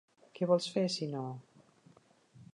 Què vols fer, sinó?